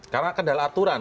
karena kendal aturan